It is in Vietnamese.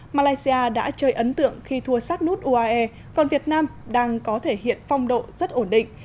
malaysia đã chơi ấn tượng khi thua sát nút uae còn việt nam đang có thể hiện phong độ rất ổn định